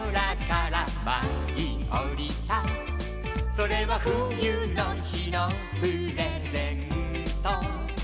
「それはふゆのひのプレゼント」